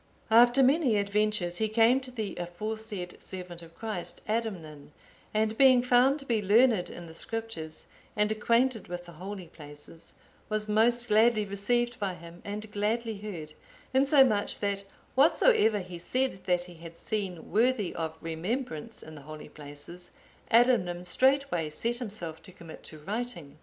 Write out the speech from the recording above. After many adventures he came to the aforesaid servant of Christ, Adamnan, and being found to be learned in the Scriptures, and acquainted with the holy places, was most gladly received by him and gladly heard, insomuch that whatsoever he said that he had seen worthy of remembrance in the holy places, Adamnan straightway set himself to commit to writing.